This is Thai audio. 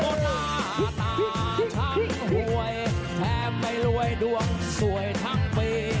หน้าตาทั้งหวยแทบไม่รวยดวงสวยทั้งปี